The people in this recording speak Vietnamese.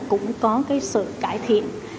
cũng có sự cải thiện